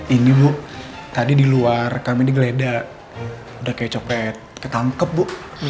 ini bu tadi di luar kami digeledah udah kayak copet ketangkep bu